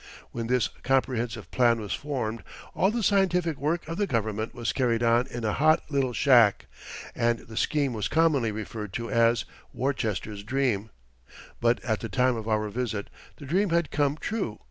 When this comprehensive plan was formed all the scientific work of the government was carried on in "a hot little shack," and the scheme was commonly referred to as "Worcester's Dream," but at the time of our visit the dream had come true.